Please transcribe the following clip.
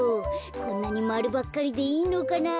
こんなにまるばっかりでいいのかな。